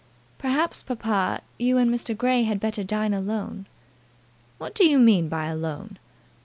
"Perhaps, papa, you and Mr. Grey had better dine alone." "What do you mean by alone?"